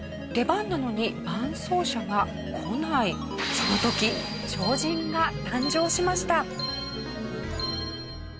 その時超人が誕生しました。